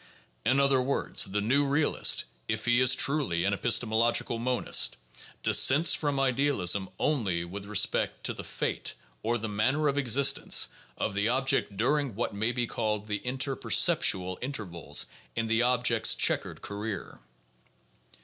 In other words, the new realist (if he is truly an epistemological monist) dissents from idealism only with respect to the fate, or the manner of existence, of the object during what may be called the interperceptual intervals in the object's checkered career.